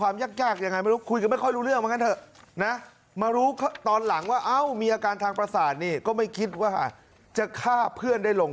มึงคุยเรื่องเงินอะไรไม่รู้เรื่อง